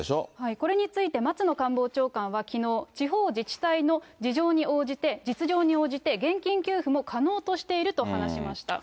これについて、松野官房長官はきのう、地方自治体の実情に応じて、現金給付も可能としていると話しました。